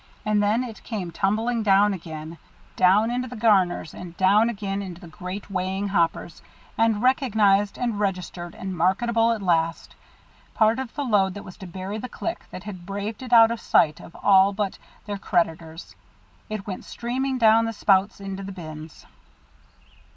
And then it came tumbling down again; down into garners, and down again into the great weighing hoppers, and recognized and registered and marketable at last, part of the load that was to bury the Clique that had braved it out of sight of all but their creditors, it went streaming down the spouts into the bins.